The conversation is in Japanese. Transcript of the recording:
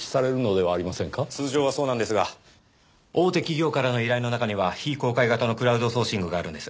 通常はそうなんですが大手企業からの依頼の中には非公開型のクラウドソーシングがあるんです。